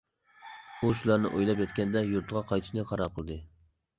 ئۇ شۇلارنى ئويلاپ يەتكەندە يۇرتىغا قايتىشنى قارار قىلدى.